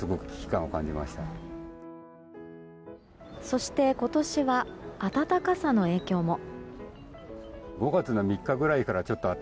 そして、今年は暖かさの影響も。